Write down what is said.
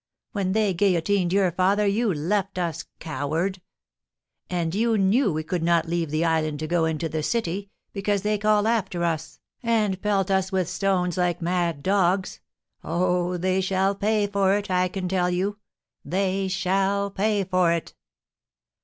When they guillotined your father, you left us, coward! And you knew we could not leave the island to go into the city, because they call after us, and pelt us with stones, like mad dogs. Oh, they shall pay for it, I can tell you, they shall pay for it!"